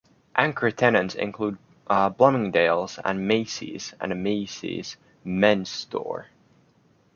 Anchor tenants include Bloomingdale's and Macy's, and a Macy's mens store.